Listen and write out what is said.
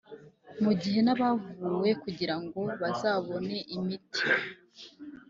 mu gihe n’abavuwe kugira ngo bazabone imiti